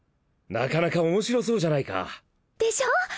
なかなかおもしろそうじゃないか。でしょ？